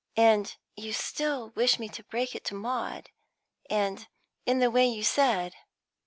"And you still wish me to break it to Maud, and in the way you said?"